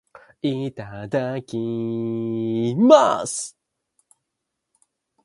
He was replaced by Los Angeles-based vocalist Bob James.